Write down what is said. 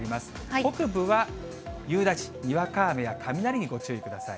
北部は夕立、にわか雨や雷にご注意ください。